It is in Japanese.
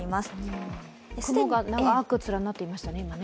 雲が長く連なっていましたね。